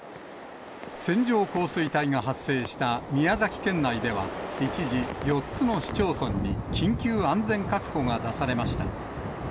線状降水帯が発生した宮崎県内では、一時、４つの市町村に緊急安全確保が出されました。